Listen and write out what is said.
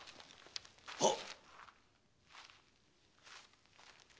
はっ！